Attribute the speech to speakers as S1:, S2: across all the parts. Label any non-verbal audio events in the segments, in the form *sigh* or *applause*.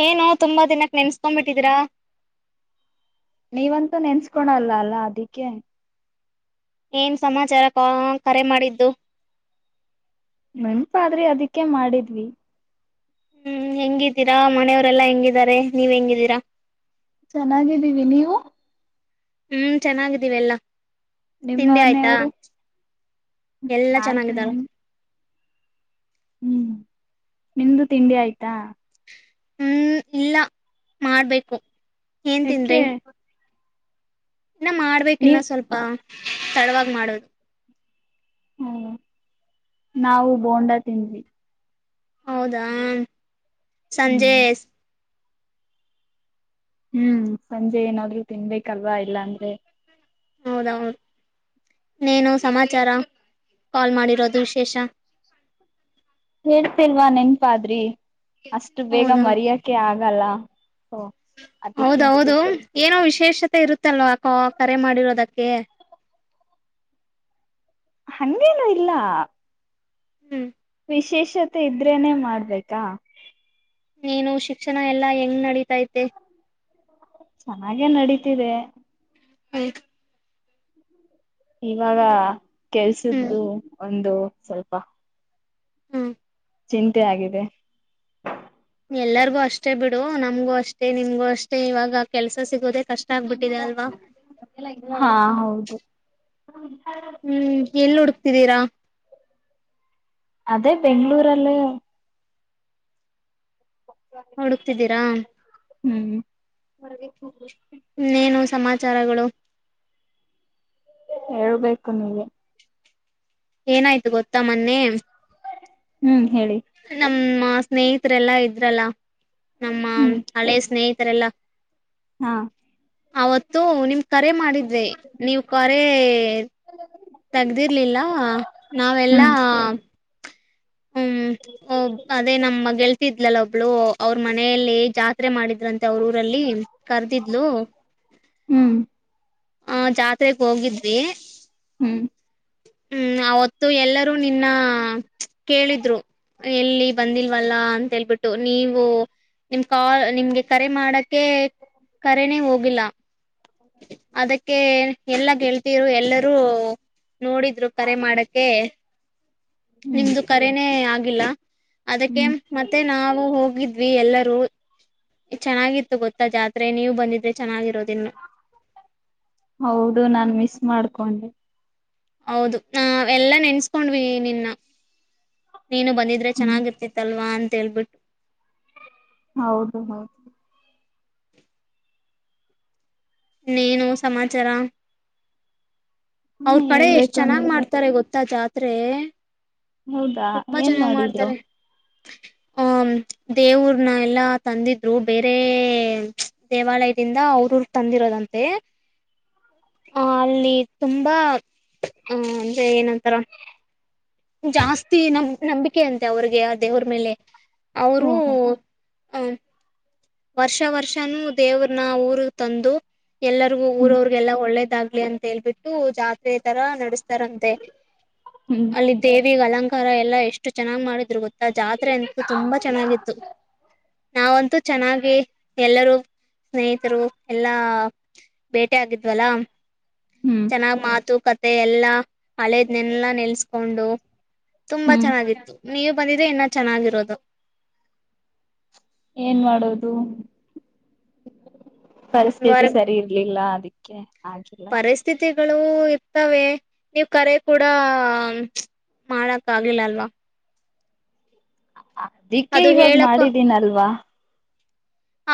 S1: ಏನತ್ ತುಂಬಾ ದಿನಕ್ ನೆನ್ಸ್ಕೊಬಿಟ್ಟಿದಿರಾ.
S2: ನೀವಂತೂ ನೆನ್ಸ್ಕೊಳಲ್ಲ ಅಲ್ಲ ಅದಿಕ್ಕೆ
S1: ಏನ್ ಸಮಾಚಾರ ಕ ಕರೆ ಮಾಡಿದ್ದು.
S2: ನೆಪಾದ್ರಿ ಅದಕ್ಕೆ ಮಾಡಿದ್ವಿ.
S1: ಹ್ಮ್ ಹೆಂಗಿದ್ದೀರಾ ಮನೆಯವರೆಲ್ಲಾ ಹೆಂಗಿದಿದ್ದಾರೆ ನೀವ್ ಹೆಂಗಿದ್ದೀರಾ.
S2: ಚೆನ್ನಾಗಿದ್ದೀವಿ ನೀವು.
S1: ಹ್ಮ್ ಚೆನ್ನಾಗಿದ್ದೀವಿ ಎಲ್ಲಾ.
S2: ನಿಮ್ಮ
S1: ತಿಂಡಿ ಆಯ್ತಾ
S2: ಮನೆಯವರು
S1: ಎಲ್ಲಾ
S2: ಆಯ್ತು
S1: ಚೆನ್ನಾಗಿದಾರ.
S2: ನಿಮ್ ಹ್ಮ್ ನಿಮ್ದು ತಿಂಡಿ ಆಯ್ತಾ.
S1: ಹ್ಮ್ ಇಲ್ಲ ಮಾಡ್ಬೇಕು. ಏನ್ ತಿನ್ದ್ರಿ
S2: ಯಾಕೆ
S1: ಇನ್ನ ಮಾಡ್ಬೇಕ ಇನ್ನ
S2: ನೀವ್
S1: ಸ್ವಲ್ಪ. ತಡ್ವಾಗಿ ಮಾಡೋದು.
S2: ಹ್ಮ ನಾವು ಬೋಂಡ ತಿಂದ್ವಿ.
S1: ಹೌದಾ.
S2: ಹ್ಮ್
S1: ಸಂಜೇಶ್.
S2: ಹ್ಮ್ ಸಂಜೆ ಏನಾದ್ರು ತಿನ್ಬೇಕ್ ಕಲ್ವಾ ಇಲ್ಲಾ ಅಂದ್ರೆ.
S1: ಹೌದ ಇನ್ನೇನು ಸಮಾಚಾರ. ಕಾಲ್ ಮಾಡಿರೋದು ವಿಶೇಷ.
S2: ಹೇಳ್ತಿಲ್ವಾ ನೆನ್ಪಾದ್ರಿ. ಅಷ್ಟು ಬೇಗ
S1: ಹೌದಾ
S2: ಮರ್ಯಕೆ ಆಗಲ್ಲ. ಓ ಅದಿಕ್ಕೆ.
S1: ಹೌದೌದು ಏನೋ ವಿಶೇಷತೆ ಇರುತ್ತಲ್ವಾ ಕರೆ ಮಾಡಿರೋದಕ್ಕೆ.
S2: ಹಂಗೇನು ಇಲ್ಲ.
S1: ಹ್ಮ್
S2: ವಿಶೇಷತೆ ಇದ್ರೇನೆ ಮಾಡ್ಬೇಕಾ.
S1: ನೀನು ಶಿಕ್ಷಣ ಎಲ್ಲಾ ಹೆಂಗ್ ನಡೀತೈತೆ.
S2: ಚೆನ್ನಾಗೇ ನಡೀತಿದೆ.
S1: ಆಯ್ತ
S2: ಇವಾಗ
S1: ಹ್ಮ್
S2: ಕೆಲ್ಸ್ದು ಒಂದು ಸ್ವಲ್ಪ
S1: ಹ್ಮ್.
S2: ಚಿಂತೆ ಆಗಿದೆ.
S1: ಎಲ್ಲರಿಗೂ ಅಷ್ಟೇ ಬಿಡು ನಮ್ಗೂ ಅಷ್ಟೇ ನಿಮ್ಗೂ ಅಷ್ಟೇ ಇವಾಗ ಕೆಲ್ಸ ಸಿಗದೆೇ.
S2: ಹಾ ಹೌದು. ಹಾ.
S1: ಹ್ಮ್ ಎಲ್ಲಿ ಹುಡುಕ್ತಿದ್ದೀರಾ
S2: ಅದೇ ಬೆಂಗಳೂರ ಅಲ್ಲಿ
S1: ಹುಡುಕ್ತಿದ್ದೀರಾ.
S2: ಹ್ಮ್.
S1: ಹನ್ನೇನು ಸಮಾಚಾರಗಳು.
S2: ಹೇಳ್ಬೇಕು ನೀ.
S1: ಏನಾಯ್ತು ಗೊತ್ತಾ ಮೊನ್ನೆ.
S2: ಹ್ಮ್. ಹೇಳಿ.
S1: ಹ್ಮ್ ಸ್ನೇಹಿತರೆಲ್ಲಾ ಇದ್ರಲ್ಲ. ನಮ್ಮ
S2: ಹ್ಮ್
S1: ಹಳೆ ಸ್ನೇಹಿಿತ. ತರಲ್ಲ.
S2: ಹಾ
S1: ಅವತ್ತು ನಿಮ. ಕರೆ ಮಾಡಿದ್ರೆ ನೀವು ಕರೆ ತಗ್ದಿರ್ಲಿಲ್ಲ ನಾವೆಲ್ಲಾ.
S2: ಹ್ಮ್
S1: ಹ್ಮ್ ಅದೇ ನಮ್ಮ್ಗೆಲ್. ಿದ್ಲಲ್ಲ ಒಬ್ಳು ಅವ್ರ ಮನೆಯಲ್ಲಿ ಜಾತ್ರೆ ಮಾಡಿದ. ್ರಂತೆ ಅವ್ರ ಊರಲ್ಲಿ ಕರ್ದಿದ್ಲು.
S2: ಹ್ಮ್
S1: ಹ ಜಾತ್. ಹೋಗಿದ್ವಿ.
S2: ಹ್ಮ್
S1: ಹ್ಮ್ ಅವತ್ತು ಎಲ್ಲರೂ ನಿನ್ನ ಕೇಳಿದ್ರು ಎಲ್ಲಿ ಬಂದಿಲ್ವಲ್ಲ ಅಂತೇಳ್ಬಿಟ್ಟು ನೀವು. ನಿಮ್ ಕಾಲ್ ನಿಮ್ಗೆ ಕರೆ ಮಾಡಕ್ಕೆ ಕರೆನೇ ಹೋಗಿಲ್ಲ. ಎಲ್ಲಗೆೇಳ್ತರು ಎಲ್ಲರೂ ನೋಡಿದ್ರು ಕರೆ ಮಾಡಕ್ಕೆ.
S2: ಹ್ಮ್
S1: ನಿಮ್ದು ಕರೆನೆೇ ಆಗಿಲ್ಲ. ಅದಕ್ಕೆ
S2: ಹ್ಮ್
S1: ಮತ್ತೆ ನಾವು ಹೋಗಿದ್ವಿ ಎಲ್ಲರೂ ಚೆನ್ನಾಗಿತ್ತು ಗೊತ್ತ ಜಾತ್ರೆ ನೀವು ಬಂದಿದ್ರೆ ಚೆನ್ನಾಗಿರೋದಿನ್ನು.
S2: ಕಣ.
S1: ಹೌದು ನ ಎಲ್ಲಾ ನೆನ್ಸ್ಕೊಂಡ್ವಿ ನಿನ್ನ ನೀನು ಬಂದಿದ್ರೆ
S2: ಹ್ಮ್
S1: ಚೆನ್ನಾಗಿರ್ತಿತ್ತಲ್ವಾ ತೇಳ್ಬಿಟ್ಟು
S2: ಹೌದು ಹೌದು *unintelligible* *inaudible*
S1: ಏನು ಸಮಾಚಾರ
S2: ಹ್ಮ
S1: ಅವ್ರ ಕಡೆ ಎಷ್ಟ್
S2: ಹೇಳ್ಬೇಕು
S1: ಚೆನ್ನಾಗ್
S2: ನೀವೆ
S1: ಮಾಡ್ತಾರೆ ಗೊತ್ತಾ ಜಾ ಆದ್ರೆ
S2: ಹೌದಾ ಏನ್ ಮಾಡಿದ್ರು
S1: ಅಹ ದೇವ್ರನ್ನ ಎಲ್ಲಾ ತಂದಿದ್ರು ಬೇರೆ ದೇವಾಲಯದಿಂದ ಅವ್ರೂ್ರ ತಂದಿರೋದಂತೆ ಆ ಅಲ್ಲಿ ತುಂಬಾ ಆ ಅಂದ್ರೆ ಏನಂತಾರ ಜಾಸ್ತಿ ನಮ ನಂಬಿಕೆ ಅಂತೆ ಅವ್ರಿಗೆ ದೇವ್ರ ಮೇಲೆ ಅವರು
S2: ಓಹೋ
S1: *unintelligible* ವರ್ಷ ವರ್ಷನೂ ದೇವ್ರನ ಊರಗ್ ತಂದು ಎಲ್ಲರಿಗೂ
S2: ಹ್ಮ್
S1: ಊರವ್ರರಿಗೆ ಎಲ್ಲ ಒಳ್ಳೆದ್ *unintelligible* ದಾಗ್ಲಿ ಅಂತ ಹೇಳ್ಬಿಟ್ಟು ಜಾತ್ರೆ ತರ ನಡಸ್ *unintelligible* ತರಂತೆ
S2: ಹ್ಮ್
S1: ಅಲ್ಲಿ ದೇ *unintelligible* ಅಲಂಕಾರ ಎಲ್ಲ ಎಷ್ಟು ಚೆನ್ನಾಗ ಮಾಡಿದ್ರು ಗೊ ಜಾತ್ರೆ ಅಂತೂ ತುಂಬಾ ಚೆನ್ನಾಗಿತ್ತು ನಾವ *unintelligible* ಚೆನ್ನಾಗಿ ಎಲ್ಲರೂ ಸ್ನೇಹಿತರು ಎಲ್ಲಾ ಭೇಟೆ ಆಗಿದ್ವಲ್ಲ
S2: ಹ್ಮ್
S1: ಚೆನಾಗ್ ಮಾತು ಕತ್ *unintelligible* ತ್ತೆ ಎಲ್ಲಾ ಹಳೇದ್ನೆಲ್ಲಾ ನೆಲ್ಸ್ಕೊಂಡು ತುಂಬಾ
S2: ಹ್ಮ್
S1: ಚೆನ್ನಾಗಿತ್ತು ನೀವು ಬಂದಿದ್ರೆ ಇನ್ನ ಚೆನ್ನಾಗಿರೋದು
S2: ಏನ್ ಮಾಡೋದು ಪರಿಸ್ಥಿತಿ ಸರಿ ಇರ್ಲಿಲ್ಲ ಅದಿಕ್ ಓಕೆ *unintelligible*
S1: ಪರಿಸ್ಥಿತಿ ಗಳು ಇರ್ತವೆ ನೀವು್ ಕರೆ ಕೂಡ *unintelligible* ಮಾಡಕ್ ಆಗಿಲ್ಲಲ್ವಾ
S2: ಅದಿಕ್ಕೆ
S1: ಅದು
S2: ಇವಾಗ
S1: ಹೇಳಕ್ಕೂ
S2: ಮಾಡಿದೀನಲ್ವಾ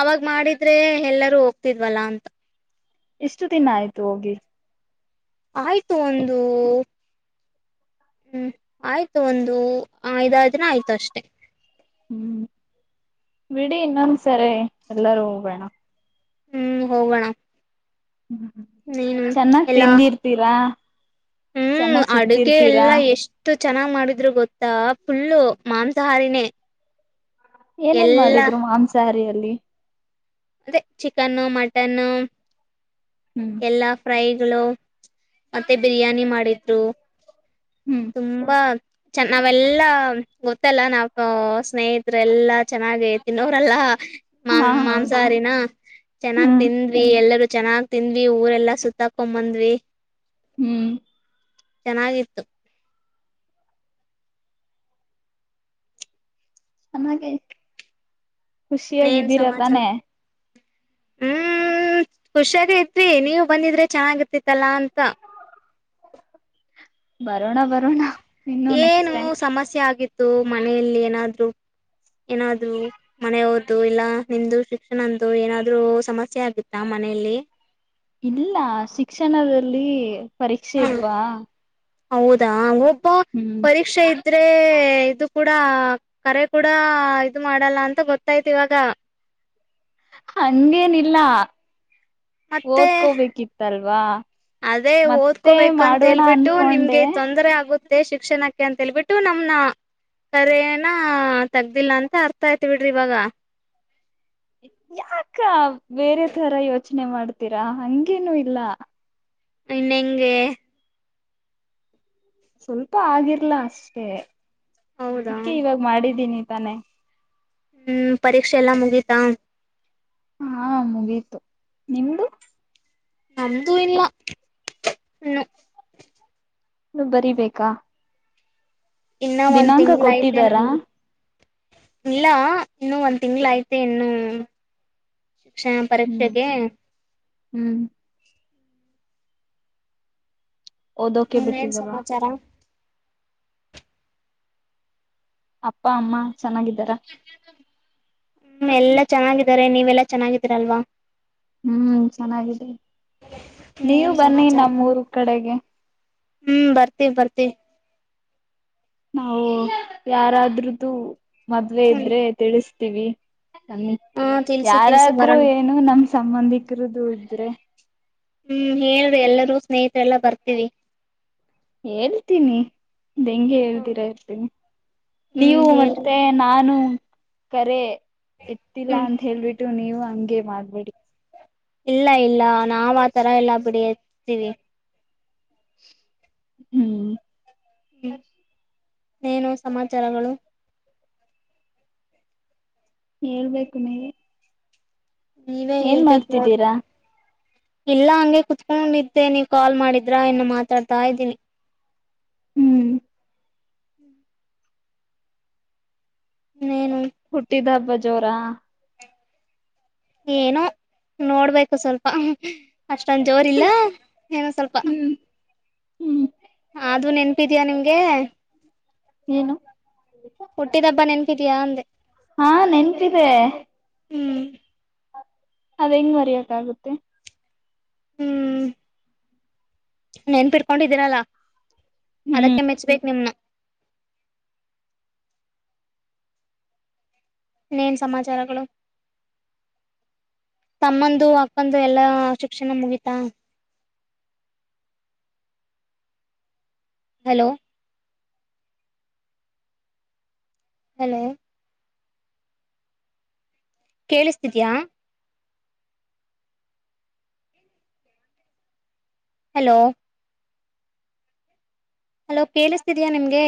S1: ಅವಾಗ ಮಾಡಿದ್ರೆ ಎಲ್ಲರೂ ಹೋಗ್ತಿದ್ವಲ್ಲ ಅಂತ
S2: ಇಷ್ಟು *unintelligible* ದಿನ ಆಯ್ತು ಹೋಗಿ
S1: ಆಯ್ತು ಒಂದು ಹ್ಮ್ ಆಯ್ತು ಒಂದು ಐದಾರು ದಿನ ಆಯ್ತು ಅಷ್ಟೇ
S2: ಹ್ಮ್ ಬಿಡಿ ಇನ್ನೊಂದ್ ಸರಿ ಎಲ್ಲಾರೂ ಹೋಗೋಣ
S1: ಹ್ಮ್ ಹೋಗೋಣ ನೀನು
S2: ಚೆನ್ನಾಗ್
S1: ಎಲ್ಲಾ
S2: ತಿಂದಿರ್ತೀರಾ
S1: ಹ್ಮ್
S2: ಚೆನ್ನಾಗ್
S1: ಅಡುಗೆ
S2: ಸುತ್ತಿರ್ತೀರಾ
S1: ಎಲ್ಲಾ ಎಷ್ಟು ಚೆನ್ನಾಗ್ ಮಾಡಿದ್ರು ಗೊತ್ತಾ ಫುಲ್ಲು ಮಾಂಸಾಹಾರಿನೇ
S2: ಏನೇನ್
S1: ಎಲ್ಲಾ
S2: ಮಾಡಿದ್ರು ಮಾಂಸಹಾರಿ *unintelligible* ಲಿ *unintelligible*
S1: ಅದೆ *unintelligible* ಚಿಕನ್ನು ಮಟನ್ನು
S2: ಹ್ಮ್
S1: ಎಲ್ಲಾ ಫ್ರೈ ಗಳು *unintelligible* ಮತ್ತೆ ಬಿರಿಯಾನಿ ಮಾಡಿದ್ರು
S2: ಹ್ಮ್
S1: ತುಂಬಾ ಚ ನಾವೆಲ್ಲಾ ಗೊತ್ತಲ್ಲ ನಾವ ಸ್ನೇಹತ್ರೆಲ್ಲಾ ಚೆನ್ನಾಗೆ ತಿನ್ನೋರೆಲ್ಲಾ ಮಾ
S2: ಹಾ ಹೌದು
S1: ಮಾಂಸಾಹಾರಿನ ಚೆನ್ನಾಗ್
S2: ಹ್ಮ್
S1: ತಿಂದ್ವಿ ಎಲ್ಲರೂ ಚನಾಗ್ ತಿಂದ್ವಿ ಊರೆಲ್ಲಾ ಸುತ್ತಾಕೊಬಂದ್ವಿ.
S2: ಹ್ಮ್
S1: ಚೆನ್ನಾಗಿತ್ತು.
S2: ಚನ್ನಾಗಿ ಖುಷಿಯಾಗಿದ್ದೀರಾ ತಾನೇ?
S1: ಹ್ಮ ಖುಷಾಗಿ ಇದ್ವಿ ನೀವ ಬಂದಿದ್ರೆ ಚೆನ್ನಾಗಿತಿತ್ತಲ್ಲಾ ಅಂತ.
S2: ಬರೋಣ ಬರೋಣ ಇನ್ನು ನೆಕ್ಸ್ಟ್
S1: ಏನು
S2: ಟೈಮ್.
S1: ಸಮಸ್ಯೆ ಆಗಿತ್ತು ಮನೆಯಲ್ಲಿ ಏನಾದ್ರು ಏನಾದ್ರು ಮನೆ ಹೋತು ಇಲ್ಲ ನಿಂದು ಶಿಕ್ಷಣ ಅಂತೂ ಏನಾದ್ರು ಸಮಸ್ಯೆ ಆಗಿತ್ತ ಮನೆಯಲ್ಲಿ?
S2: ಇಲ್ಲ ಶಿಕ್ಷಣದಲ್ಲಿ
S1: ಹ್ಮ
S2: ಪರೀಕ್ಷೆಯಿದ್ವಾ
S1: ಹೌದಾ ಹೋಗ್ ಪ ಪರೀಕ್ಷೆ ಆದ್ರೆ ಇದು ಕೂಡ ಕರೆ ಕೂಡ ಇದು ಮಾಡಲ್ಲ ಅಂತ ಗೊತ್ತಾಯ್ತು ಇವಾಗ.
S2: ಹಂಗೇನಿಲ್ಲ
S1: ಮತ್ತೆ
S2: ಓದ್ಕೋಬೇಕಿತ್ತಲ್ವಾ
S1: ಅದೇ
S2: ಮತ್ತೆ
S1: ಓದ್ಕೋಬೇಕಂತ
S2: ಮಾಡೋಣ
S1: ಹೇಳ್ಬಿಟ್ಟು
S2: ಅನ್ಕೊಂಡೆ
S1: ನಿಮ್ಗೆ ತೊಂದರೆ ಆಗು ಅದೇ ಶಿಕ್ಷಣಕ್ಕೆ ಅಂತೇಳ್ಬಿಟ್ಟು ನಮ್ನ ಕರೇನ ತಗ್ದಿಲ್ಲ ಅಂತ ಅರ್ಥ ಆಯತಿ ಬಿಡ್ರಿ ಇವಾಗ.
S2: ಯಾಕ ಬೇರೆ ತರ ಯೋಚನೆ ಮಾಡ್ತೀರಾ ಹಂಗೇನು ಇಲ್ಲ.
S1: ಇನ್ನೆಂಗೆ?
S2: ಸ್ವಲ್ಪ ಆಗಿರ್ಲಾ ಅಷ್ಟೇ.
S1: ಹೌದಾ
S2: ಅದಕ್ಕೆ ಇವಾಗ ಮಾಡಿದ್ದೀನಿ. ತಾನೆ
S1: ಹ್ಮ್ ಪರೀಕ್ಷೆ ಎಲ್ಲ ಮುಗಿತಾ?
S2: ಹಾ ಮುಗೀತು, ನಿಮ್ದು?
S1: ನಮ್ದೂ ಇಲ್ಲ, ಹೂಂ
S2: ನೀ ಬರಿಬೇಕಾ?
S1: ಇನ್ನ ಒಂದ್
S2: ದಿನಾಂಕ
S1: ತಿಂಗಗಳ ಐತೆ
S2: ಕೊಟ್ಟಿದಾರಾ
S1: ನಂಗೆ. ಇಲ್ಲ ಇನ್ನು ಒಂದ್ ತಿಂಗ್ಗಳಯ್ತೆ ಇನ್ನು. ಶಿಕ್ಷಣ
S2: ಹ್ಮ್
S1: ಪರೀಕ್ಷೆಗೆ.
S2: ಹ್ಮ್ ಓದೋಕೆ
S1: ಇನ್ನೇನ್
S2: ಬಿಟ್ಟಿದ್ದವ.
S1: ಸಮಾಚಾರ
S2: ಅಪ್ಪ ಅಮ್ಮ ಚೆನ್ನಾಗಿದ್ದಾರ
S1: ಹ್ಮ್ ಎಲ್ಲಾ ಚೆನ್ನಾಗಿದ್ದಾರೆ ನೀವೆಲ್ಲಾ ಚೆನ್ನಾಗಿದ್ದೀರಲ್ವಾ?
S2: ಹ್ಮ್ ಚೆನ್ನಾಗಿದೆ ನೀವು
S1: ಇನ್ನೇನ್
S2: ಬನ್ನಿ
S1: ಸಮಾಚಾರ
S2: ನಮ್ಮ್ ಊರ್ ಕಡೆಗೆ.
S1: ಹ್ಮ್ ಬರ್ತಿವಿ ಬರ್ತಿವಿ.
S2: ನಾವು ಯಾರಾದ್ರ್ದು ಮದ್ವೆ
S1: ಹ್ಮ್
S2: ಇದ್ರೆ ತಿಳಿಸ ೀವಿ
S1: ಹಾ ತಿಲ್ಸಿ ತಿಲ್ಸಿ
S2: ಯಾರಾದ್ರೂ
S1: ಬರೋಣ
S2: ಏನು ನಮ ಸಂಬಂಧಿಕರುದುೂ ಕತ್ತ್ರೆ
S1: ಹ್ಮ್ ಹೇಳ್ರಿ ಎಲ್ಲರೂ ಸ್ನೇಹತ್ರೆ ಎಲ್ಲಾ ಬರ್ತೀವಿ
S2: ಹೇಳ್ತೀನಿ ದಂಗೆ ಹೇಳ್್ದೀರಾ ಇರ್ತೀನಿ
S1: ಹ್ಮ್
S2: ನೀವು
S1: ಹೇಳ್ರಿ
S2: ಮತ್ತೆ ನಾನು ಕರೆ ಎತ್ತಿಲ್ಲ
S1: ಹ್ಮ್
S2: ಅಂತ ಹೇಳ್ಬಿಟ್ಟು ನೀವು ಹಂಗೆ ಮಾಡ್ಬೇಡಿ
S1: ಇಲ್ಲ ಇಲ್ಲ ನಾವ್ ಆ ತರ ಎಲ್ಲಾ ಬಿಡಿ ಹಚ್ತೀವಿ
S2: ಹ್ಮ್
S1: ಹ್ಮ್
S2: ಹ
S1: ಏನು ಸಮಾಚಾರಗಳು
S2: ಹೇಳ್ಬೇಕು ನೀಗೆ
S1: ನೀವೇ
S2: ಏನ್
S1: ಹೇಳ್ಬೇಕ್ ನೋಡ್ರಿ
S2: ಮಾಡ್ತಿದ್ದೀರಾ
S1: ಇಲ್ಲ ಹಗೆ ಕುತ್ಕೊಂಡಿದ್ದೆ ನೀವ ಕಾಲ್ ಮಾಡಿದ್ರಾ ಇನ್ನು ಮಾತಾಡ್ತಾ ಇದ್ದೀನಿ
S2: ಹ್ಮ್
S1: ಇನ್ನೇನು
S2: ಹುಟ್ಟಿದ ಹಬ್ಬ ಜೋರಾ
S1: ಏನೋ ನೋಡ್ಬೇಕು ಸ್ವಲ್ಪ ಅಷ್ಟೊಂದ ಜೋರ್ ಇಲ್ಲ ಏನೋ ಸ್ವಲ್ಪ
S2: ಹ್ಮ್ ಹ್ಮ್
S1: ಅೂ ನೆನ್ಪಿದಯ ನಿಮ್ಗೆ
S2: ಏನು
S1: ಹುಟ್ಟಿದಬ್ಬ ನೆನ್ಪಿದ್ಯಾ ಅಂದೆ
S2: ಹಾ ನೆನ್ಂತಿದೆ
S1: ಹ್ಮ್
S2: ಅದ್ ಹೆಂಗ್ ಬರಿಯಕ್ಕಾಗುತ್ತೆ
S1: ಹ್ಮ್ ನೆನ್ ಬಿರ್ಕೊಂಡಿದ್ದೀರಲ್ಲ
S2: ಹ್ಮ್
S1: ಅದಕ್ಕೆ ಮೆಚ್ಬೇಕೇಕ್ ನಿಮ್ನ ಇನ್ನೇನ್ ಸಮಾಚಾರಗಳು ತಮ್ಮಂದು ಅಕ್ಕಂದು ಎಲ್ಲಾ ಶಿಕ್ಷಣ ಮುಗಿತಾ ಹಲೋ ಹಲೋ ಕೇಳಿಸ್ತಿದೆಯ ಹಲೋ ಹಲೋ ಕೇಳಿಸ್ತಿದಯ ನಿಮ್ಗೆ